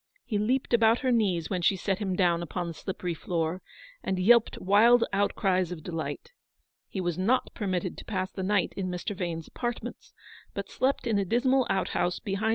He leaped about her knees when she set him down upon the slippery floor, and yelped wild outcries of delight. He was not permitted to pass the night in Mr. Vane's apart ments, but slept in a dismal outhouse behind UPON THE THRESHOLD 0? A GREAT SORROW.